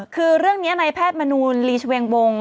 คือเรื่องนี้ในแพทย์มนูลลีชเวงวง